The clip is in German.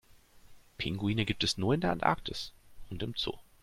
Pinguine gibt es nur in der Antarktis und im Zoo.